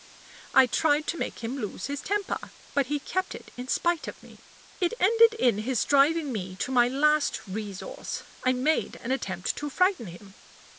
I tried to make him lose his temper; but he kept it in spite of me. It ended in his driving me to my last resource I made an attempt to frighten him.